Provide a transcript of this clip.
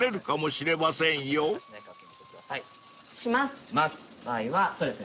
します。